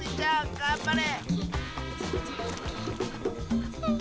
がんばれ！